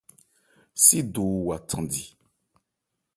Sídowo wa thandi.